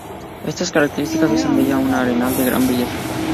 Estas características hacen de ella un arenal de gran belleza.